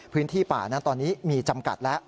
พื้นที่ป่านั้นตอนนี้มีจำกัดแล้ว